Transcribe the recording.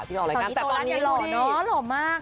ตอนนี้ตอนนี้หล่อเนอะหล่อมากค่ะ